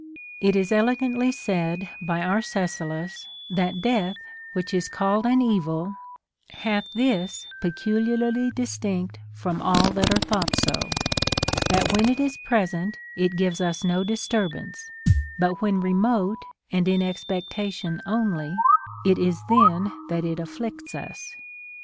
It is elegantly said by Arcesilaus, that death, which is called an evil, hath this peculiarly distinct from all that are thought so, that when it is present it gives us no disturbance, but when remote and in expectation only, it is then that it afflicts us.